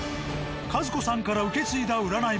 数子さんから受け継いだ占い